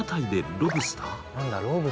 ロブスター。